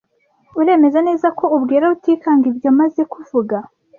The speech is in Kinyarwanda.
Uremeza neza ko ubwira Rutikanga ibyo maze kuvuga.